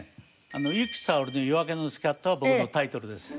由紀さおりの『夜明けのスキャット』は僕のタイトルです。